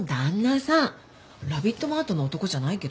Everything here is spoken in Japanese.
ラビットマートの男じゃないけど。